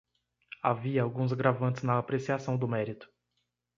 Havia alguns agravantes na apreciação do mérito